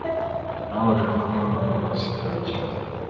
Nababajwe no kubona bonus yanjye